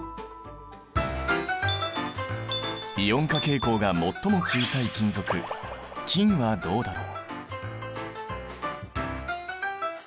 イオン化傾向が最も小さい金属金はどうだろう。